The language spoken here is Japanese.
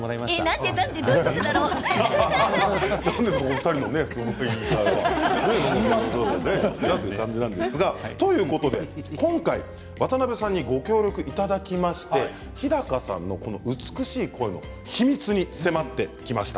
なんで、なんでどういうことだろう。ということで今回渡邊さんにご協力いただきまして日高さんの美しい声の秘密に迫ってきました。